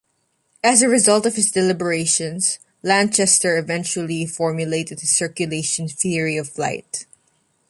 As a result of his deliberations, Lanchester, eventually formulated his circulation theory of flight.